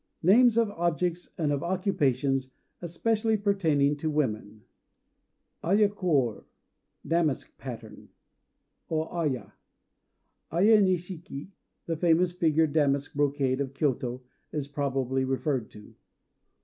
NAMES OF OBJECTS AND OF OCCUPATIONS ESPECIALLY PERTAINING TO WOMEN Ayako or } "Damask pattern." O Aya } Aya Nishiki, the famous figured damask brocade of Kyôto, is probably referred to.